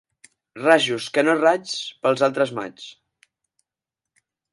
Rajos, que no raigs, pels altres maigs.